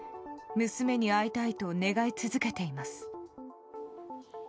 娘に会いたいと願い続けています。